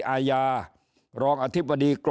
ถ้าท่านผู้ชมติดตามข่าวสาร